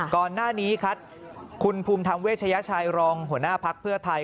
ก่อนหน้านี้ครับคุณภูมิธรรมเวชยชัยรองหัวหน้าภักดิ์เพื่อไทย